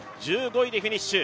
１５位でフィニッシュ。